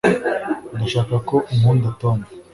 ndashaka ko unkunda, tom